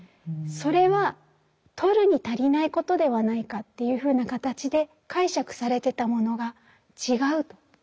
それは取るに足りないことではないかというふうな形で解釈されてたものが違うと。